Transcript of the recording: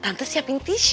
tante siapin tisu ya